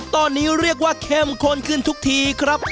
ตอนนี้เรียกว่าเข้มข้นขึ้นทุกทีครับ